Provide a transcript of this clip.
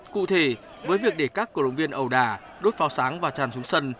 cụ thể với việc để các cổ động viên ẩu đà đốt pháo sáng và tràn xuống sân